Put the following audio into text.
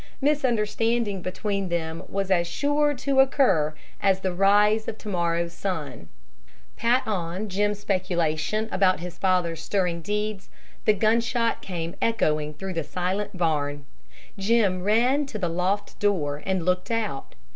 Misunderstanding between them was as sure to occur as the rise of to morrow's sun. Pat on Jim's speculations about his father's stirring deeds, the gunshot came echoing through the silent barn. Jim ran to the loft door and looked out.